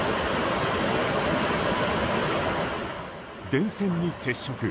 電線に接触。